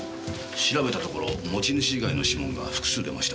調べたところ持ち主以外の指紋が複数出ました。